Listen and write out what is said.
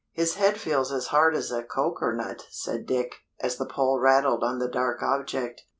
"His head feels as hard as a koker nut," said Dick, as the pole rattled on the dark object.